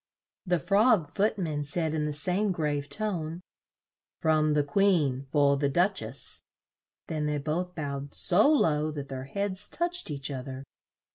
The Frog Foot man said in the same grave tone, "From the Queen, for the Duch ess." Then they both bowed so low that their heads touched each oth er.